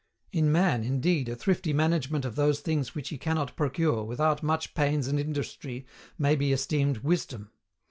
In man indeed a thrifty management of those things which he cannot procure without much pains and industry may be esteemed wisdom.